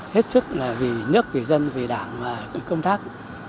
hết sức là vì nhắc vì dân vì đảng và công tác